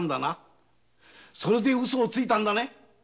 それでウソをついたんだね？